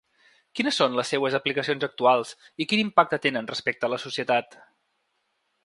Quines són les seues aplicacions actuals i quin impacte tenen respecte a la societat?